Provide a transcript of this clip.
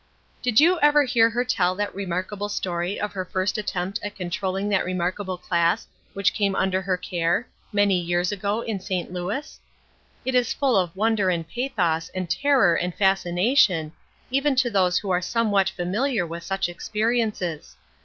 Did you ever hear her tell that remarkable story of her first attempt at controlling that remarkable class which came under her care, many years ago, in St. Louis? It is full of wonder and pathos and terror and fascination, even to those who are somewhat familiar with such experiences.